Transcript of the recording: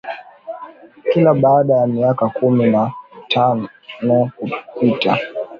Kila baada ya miaka kumi na tano kupita